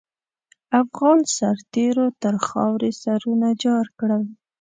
افغان سرتېرو تر خاروې سرونه جار کړل.